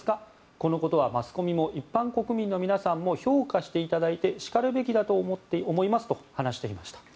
このことはマスコミも一般国民の皆さんも評価していただいてしかるべきだと思いますと話しました。